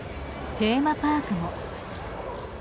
テーマパークも。